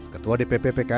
ketua dpp pks menyebutkan